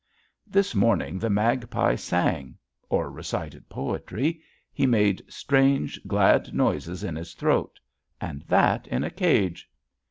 This morning the magpie sang or recited poetry; he made strange glad noises in his throat and that in a cage!